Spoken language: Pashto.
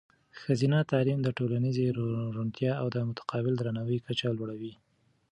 ښځینه تعلیم د ټولنیزې روڼتیا او د متقابل درناوي کچه لوړوي.